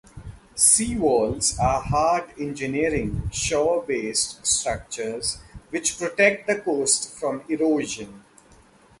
Sea walls are hard engineering shore-based structures which protect the coast from erosion.